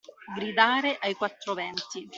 Gridare ai quattro venti.